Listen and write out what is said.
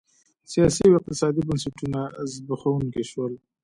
سیاسي او اقتصادي بنسټونه زبېښونکي شول.